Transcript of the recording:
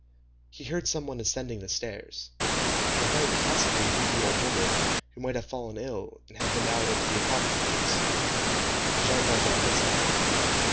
He heard some one ascending the stairs. It might possibly be the old woman, who might have fallen ill and have been out to the apothecary's. Jean Valjean listened.